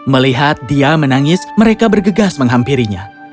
melihat dia menangis mereka bergegas menghampirinya